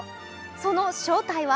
その正体は？